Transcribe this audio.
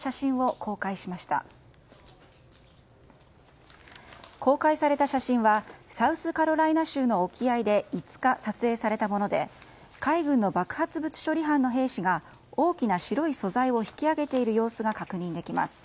公開された写真はサウスカロライナ州の沖合で５日、撮影されたもので海軍の爆発物処理軍の兵士が大きな白い素材を引き上げている様子が確認できます。